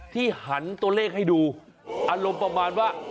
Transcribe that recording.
หันตัวเลขให้ดูอารมณ์ประมาณว่า